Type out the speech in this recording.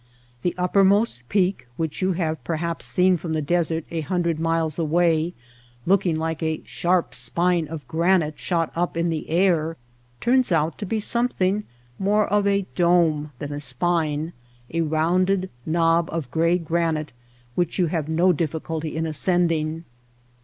The uppermost peak, which you have perhaps seen from the desert a hundred miles away look ing like a sharp spine of granite shot up in the air, turns out to be something more of a dome than a spine — a rounded knob of gray granite which you have no difficulty in ascending.